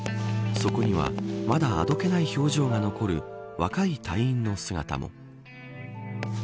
そこにはまだあどけない表情が残る若い隊員の姿も。